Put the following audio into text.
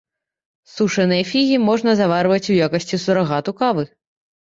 Сушаныя фігі можна заварваць у якасці сурагату кавы.